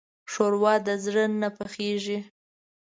ښوروا د زړه نه پخېږي.